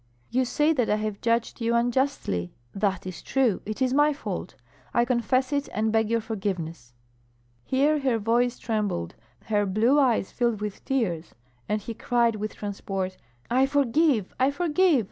"You say that I have judged you unjustly; that is true. It is my fault; I confess it and beg your forgiveness." Here her voice trembled, her blue eyes filled with tears, and he cried with transport, "I forgive! I forgive!